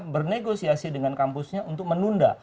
bernegosiasi dengan kampusnya untuk menunda